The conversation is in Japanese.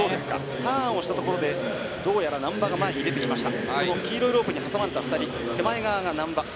ターンをしたところで難波が前に出てきました。